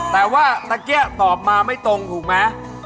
แต่ว่าตะเกี้ยตอบมาไม่ตรงถูกไหม